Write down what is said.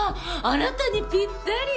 あなたにぴったり！